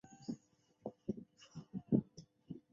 垂穗莎草是莎草科莎草属的植物。